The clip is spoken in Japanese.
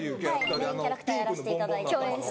メインキャラクターやらせていただいてます。